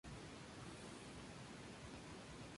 Cuando quieras hablar, me avisas.